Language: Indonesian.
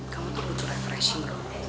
kamu perlu refreshing bro